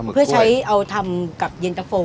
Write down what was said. เพื่อใช้เอาทำกับเย็นตะโฟ